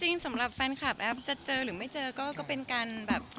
สำหรับแฟนคลับแอฟจะเจอหรือไม่เจอก็เป็นการแบบ